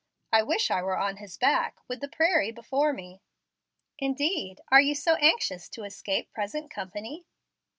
I wish I were on his back, with the prairie before me." "Indeed, are you so anxious to escape present company?"